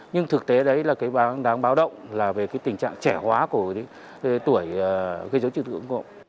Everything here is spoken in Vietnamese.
nhưng thực tế đấy là cái đáng báo động là về cái tình trạng trẻ hóa của tuổi gây dối trật tự ung cộng